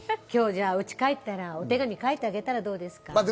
今日、じゃあ、うち帰ったらお手紙書いてあげたらどうですか？